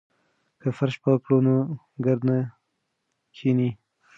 که فرش پاک کړو نو ګرد نه کښیني.